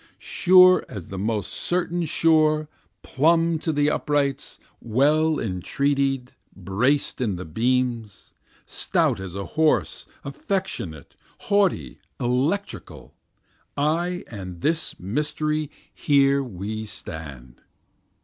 Sure as the most certain sure, plumb in the uprights, well entretied, braced in the beams, Stout as a horse, affectionate, haughty, electrical, I and this mystery here we stand.